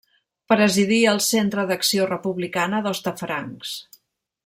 Presidí el Centre d'Acció Republicana d'Hostafrancs.